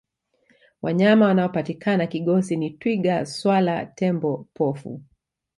wanyama wanaopatikana kigosi ni twiga swala tembo pofu